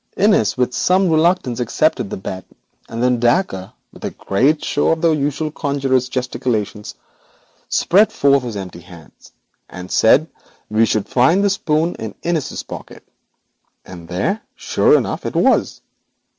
Innis, with some reluctance, accepted the bet, and then Dacre, with a great show of the usual conjurer's gesticulations, spread forth his empty hands, and said we should find the spoon in Innis's pocket, and there, sure enough, it was.